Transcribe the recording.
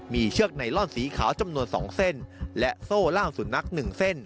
มีเชือกไนลอนสีขาวจำนวน๒เส้นและโซ่ล่ามสุนัข๑เส้น